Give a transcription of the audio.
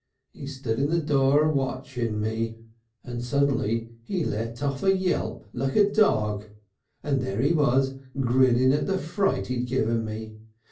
He stood in the door watchin' me, and suddenly he let off a yelp like a dog, and there he was grinning at the fright he'd given me.